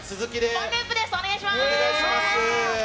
ポンループですお願いします。